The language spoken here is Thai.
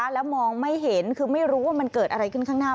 แล้วมองไม่เห็นคือไม่รู้ว่ามันเกิดอะไรขึ้นข้างหน้า